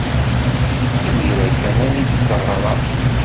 Imir-a kan ay d-teɣra.